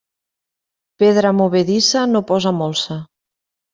Pedra movedissa no posa molsa.